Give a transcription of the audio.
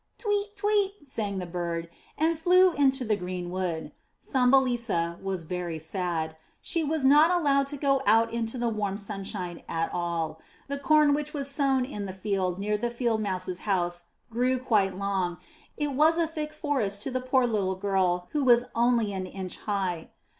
'Tweet, tweet,'' sang the bird, and flew into the green wood. Thumbelisa was very sad. She was not allowed to go out into the warm sunshine at all. The corn which was sown in the field near the Field Mouse's house grew quite long; it was a thick forest for the poor little girl who was only an inch high.